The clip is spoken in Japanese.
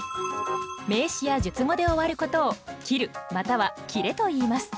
名詞や述語で終わることを「切る」または「切れ」といいます。